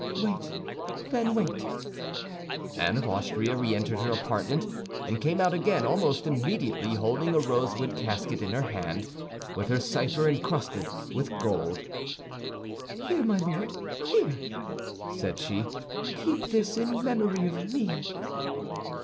"Wait, then, wait." Anne of Austria re entered her apartment, and came out again almost immediately, holding a rosewood casket in her hand, with her cipher encrusted with gold. "Here, my Lord, here," said she, "keep this in memory of me."